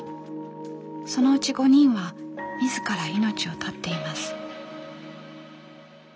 そのうち５人は自ら命を絶っています。